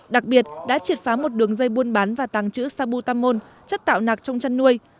đặc biệt đã triệt phá một đường dây buôn bán và tàng trữ sabutamol chất tạo nạc trong chăn nuôi